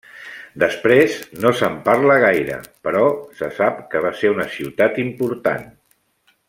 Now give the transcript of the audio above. Després no se'n parla gaire, però se sap que va ser una ciutat important.